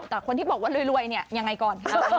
แต่คนที่บอกว่ารวยเนี่ยยังไงก่อนคะ